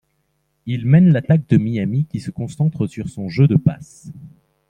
Il mène l'attaque de Miami qui se concentre sur son jeu de passes.